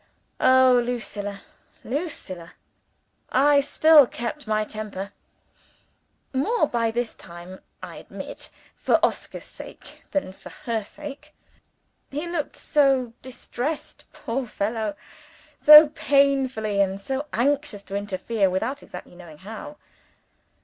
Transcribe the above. (Oh, Lucilla! Lucilla!) I still kept my temper. More, by this time (I admit,) for Oscar's sake than for her sake. He looked so distressed, poor fellow so painfully anxious to interfere, without exactly knowing how.